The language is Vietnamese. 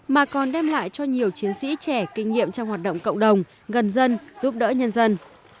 mà còn đem lại cho nhiều chiến sĩ trẻ kinh nghiệm trong hoạt động cộng đồng gần dân giúp đỡ nhân dân